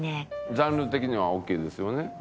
ジャンル的にはオーケーですよね？